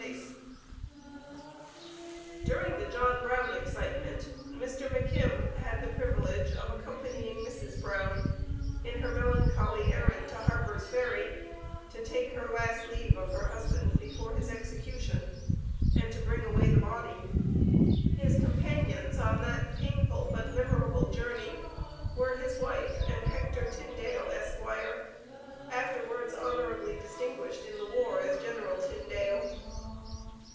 (See p. 581). During the John Brown excitement Mr. McKim had the privilege of accompanying Mrs. Brown in her melancholy errand to Harper's Ferry, to take her last leave of her husband before his execution, and to bring away the body. His companions on that painful but memorable journey, were his wife, and Hector Tyndale, Esq., afterwards honorably distinguished in the war as General Tyndale.